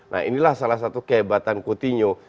nah inilah salah satu kehebatan coutinho